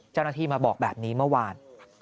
เจ้าหน้าที่มาบอกแบบนี้เมื่อวาน